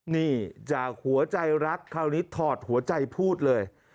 นี่จากหัวใจรักคราวนี้ถอดหัวใจพูดเลย